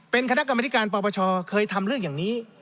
เป็นคณะกรรมธิการปปชเคยทำเรื่องอย่างนี้